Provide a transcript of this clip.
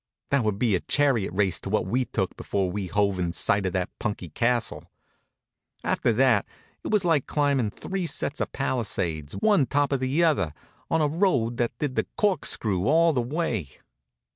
That would be a chariot race to what we took before we hove in sight of that punky castle. After that it was like climbing three sets of Palisades, one top of the other, on a road that did the corkscrew all the way.